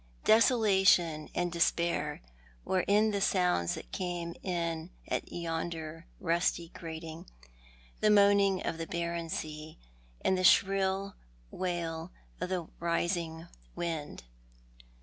Desolation and despair were in the sounds that came in at yonder rusty grating, the moaning of the barren sea, and the shrill wail of the rising wind.